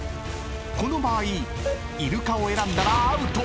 ［この場合「イルカ」を選んだらアウト！］